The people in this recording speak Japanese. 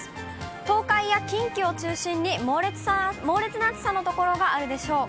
東海や近畿を中心に猛烈な暑さの所があるでしょう。